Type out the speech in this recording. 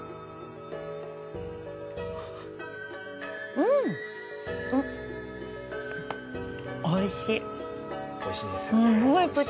うんおいしい！